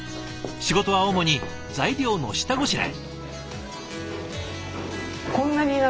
仕事は主に材料の下ごしらえ。